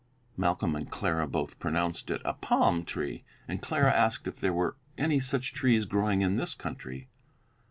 ] Malcolm and Clara both pronounced it a palm tree, and Clara asked if there were any such trees growing in this country.